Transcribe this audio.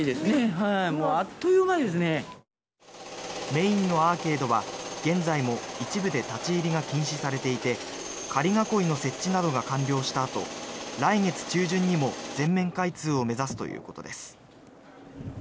メインのアーケードは現在も一部で立ち入りが禁止されていて仮囲いの設置などが完了したあと来月中旬にも全面開通を目指すということです。